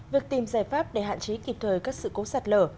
việc tìm giải pháp để hạn chế kịp thời các sự cố sạt lở